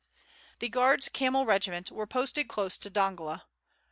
The Guards' Camel Regiment were posted close to Dongola.